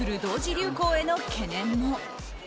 流行への懸念も。